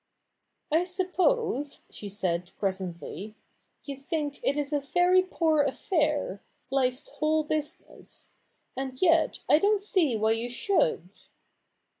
' I suppose,' she said presently, ' you think it is a very poor affair — life's whole business. And yet I don't see why you should.'